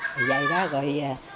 vậy đó rồi